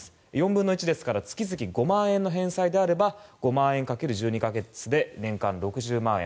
４分の１ですから月々５万円の返済であれば５万円掛ける１２か月で年間６０万円